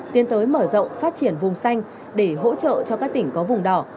tiến tới mở rộng phát triển vùng xanh để hỗ trợ cho các tỉnh có vùng đỏ